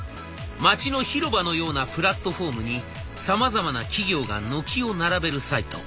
街の広場のようなプラットホームにさまざまな企業が軒を並べるサイト。